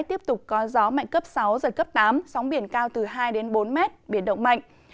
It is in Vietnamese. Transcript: tiếp tục có gió mạnh cấp sáu giật cấp tám sóng biển cao từ hai đến bốn mét biển động mạnh